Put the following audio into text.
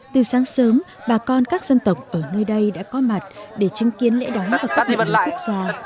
từ sáng sớm bà con các dân tộc ở nơi đây đã có mặt để chứng kiến lễ đón và cấp điện quốc gia